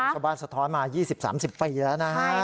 ชาวบ้านสะท้อนมา๒๐๓๐ปีแล้วนะฮะ